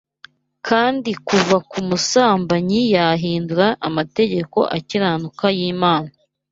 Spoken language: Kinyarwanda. Kandi kuva ku musambanyi yahindura amategeko akiranuka y'Imana